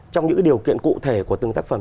trong những điều kiện cụ thể của từng tác phẩm